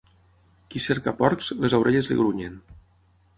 Qui cerca porcs, les orelles li grunyen.